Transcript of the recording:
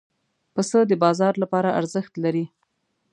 پسه د بازار لپاره ارزښت لري.